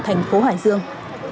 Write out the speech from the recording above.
thành phố hải dương